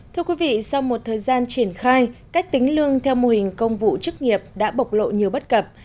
thưa quý vị sau một thời gian triển khai cách tính lương theo mô hình công vụ chức nghiệp đã bộc lộ nhiều bất cập